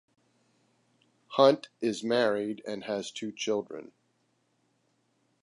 Hunt is married and has two children.